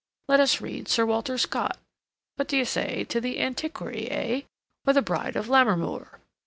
Let us read Sir Walter Scott. What d'you say to 'The Antiquary,' eh? Or 'The Bride of Lammermoor'?"